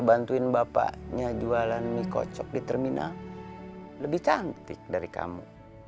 bantuin bapaknya jualan mie kocok di terminal lebih cantik dari kamu